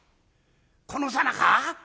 このさなか？」。